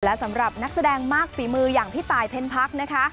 และสำหรับนักแสดงมากฝีมืออย่างพี่ตายเพ็ญพักนะคะ